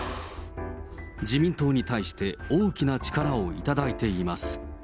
自民党に対して大きな力をいただいています。